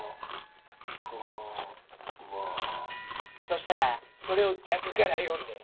そしたらそれを逆から読んで。